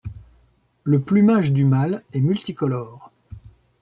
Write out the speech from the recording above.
Le plumage du mâle est multicolore.